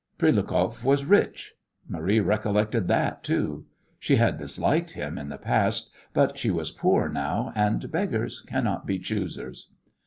Prilukoff was rich! Marie recollected that too! She had disliked him in the past, but she was poor now and beggars cannot be choosers.